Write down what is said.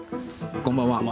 こんばんは。